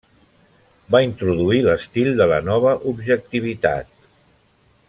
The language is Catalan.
Va introduir l'estil de la nova objectivitat.